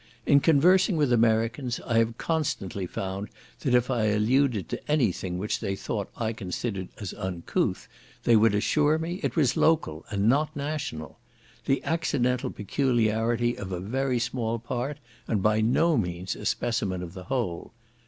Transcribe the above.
In conversing with Americans I have constantly found that if I alluded to anything which they thought I considered as uncouth, they would assure me it was local, and not national; the accidental peculiarity of a very small part, and by no means a specimen of the whole.